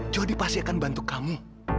jody pasti akan bantu kamu